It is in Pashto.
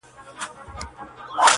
• کنه ولي به مي شپه وړلای مخموره ,